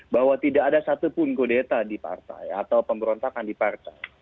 bahwa tidak ada satupun kudeta di partai atau pemberontakan di partai